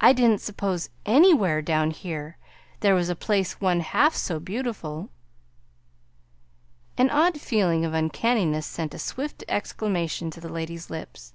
I didn't suppose, anywhere, down here, there was a place one half so beautiful!" An odd feeling of uncanniness sent a swift exclamation to the lady's lips.